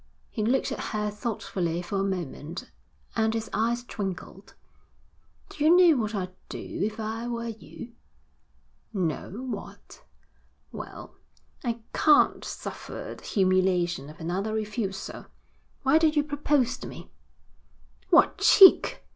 He looked at her thoughtfully for a moment, and his eyes twinkled. 'Do you know what I'd do if I were you?' 'No, what?' 'Well, I can't suffer the humiliation of another refusal. Why don't you propose to me?' 'What cheek!'